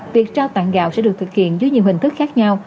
việc trao tặng gạo sẽ được thực hiện dưới nhiều hình thức khác nhau